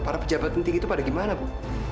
para pejabat penting itu pada gimana bu